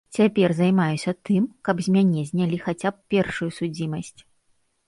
Цяпер займаюся тым, каб з мяне знялі хаця б першую судзімасць.